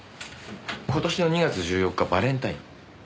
今年の２月１４日バレンタイン。